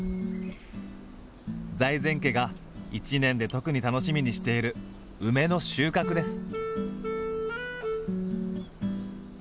財前家が一年で特に楽しみにしている梅の収穫です。